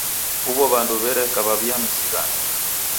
Huw'o w'andu w'ereka w'aw'iamzighana.